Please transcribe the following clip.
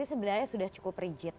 sebenarnya sudah cukup rigid